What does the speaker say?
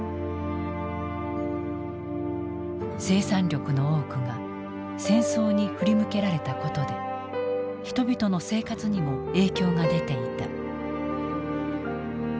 生産力の多くが戦争に振り向けられたことで人々の生活にも影響が出ていた。